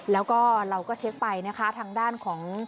แล้วก็เราก็เช็คไปนะคะทางด้านของ